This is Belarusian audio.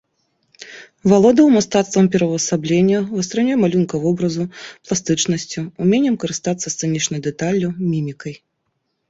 Валодаў мастацтвам пераўвасаблення, вастрынёй малюнка вобразу, пластычнасцю, уменнем карыстацца сцэнічнай дэталлю, мімікай.